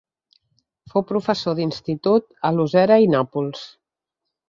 Fou professor d'institut a Lucera i Nàpols.